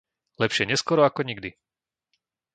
Lepšie neskoro ako nikdy!